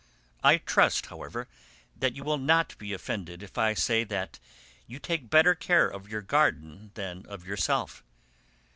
I trust, however, that you will not be offended if I say that you take better care of your garden than of yourself.